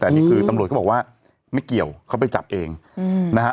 แต่นี่คือตำรวจก็บอกว่าไม่เกี่ยวเขาไปจับเองนะฮะ